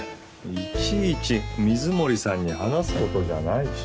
いちいち水森さんに話す事じゃないし。